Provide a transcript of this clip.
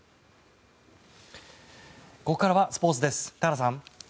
ここからはスポーツです田原さん。